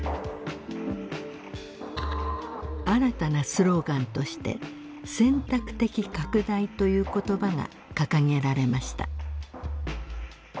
新たなスローガンとして選択的拡大という言葉が掲げられました。